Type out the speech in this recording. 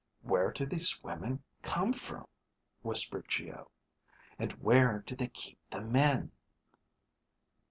"Where do these women come from?" whispered Geo. "And where do they keep the men?"